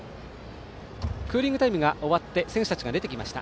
クーリングタイムが終わって選手たちが出てきました。